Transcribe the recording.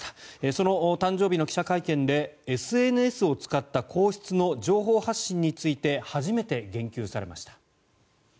その誕生日の記者会見でＳＮＳを使った皇室の情報発信について初めて言及されました。